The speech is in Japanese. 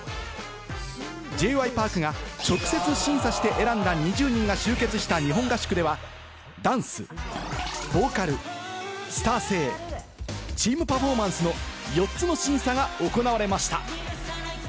Ｊ．Ｙ．Ｐａｒｋが直接審査して選んだ２０人が集結した日本合宿では、ダンス、ボーカル、スター性、チーム・パフォーマンスの４つの審査が行われました。